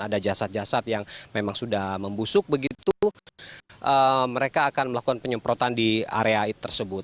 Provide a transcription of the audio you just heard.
ada jasad jasad yang memang sudah membusuk begitu mereka akan melakukan penyemprotan di area tersebut